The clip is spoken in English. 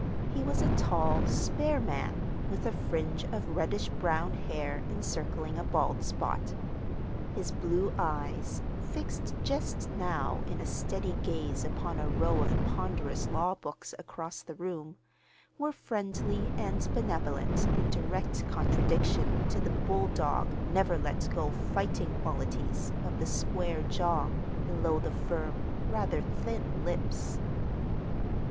He was a tall, spare man, with a fringe of reddish brown hair encircling a bald spot. His blue eyes, fixed just now in a steady gaze upon a row of ponderous law books across the room, were friendly and benevolent in direct contradiction to the bulldog, never let go fighting qualities of the square jaw below the firm, rather thin lips.